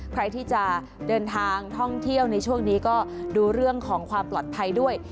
ใครที่จะเดินทางท่องเที่ยวในช่วงนี้ก็ดูเรื่องของความปลอดภัยด้วย